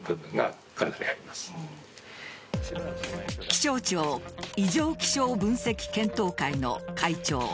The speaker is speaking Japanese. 気象庁異常気象分析検討会の会長